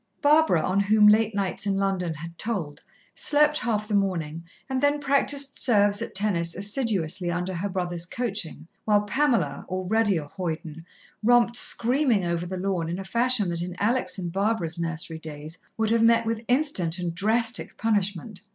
Barbara, on whom late nights in London had told, slept half the morning, and then practised "serves" at tennis assiduously under her brother's coaching, while Pamela, already a hoyden, romped screaming over the lawn, in a fashion that in Alex' and Barbara's nursery days would have met with instant and drastic punishment.